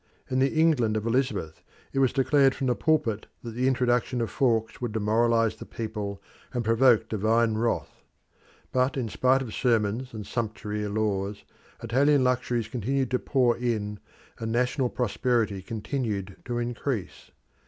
In the England of Elizabeth it was declared from the pulpit that the introduction of forks would demoralise the people and provoke divine wrath. But in spite of sermons and sumptuary laws, Italian luxuries continued to pour in, and national prosperity continued to increase.